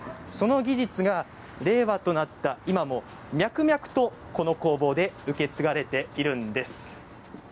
その技術が令和となった今も脈々と、この工房で受け継がれているんです。